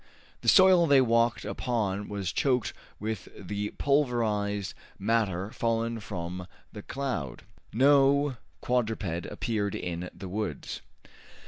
The soil they walked upon was choked with the pulverized matter fallen from the cloud. No quadruped appeared in the woods.